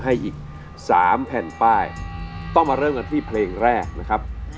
อีก๓แผ่นป้ายต้องมาเริ่มกันที่เพลงแรกนะครับ